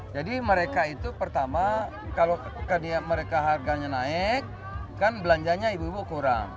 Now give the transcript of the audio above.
jadi mereka itu pertama kalau mereka harganya naik kan belanjanya ibu ibu kurang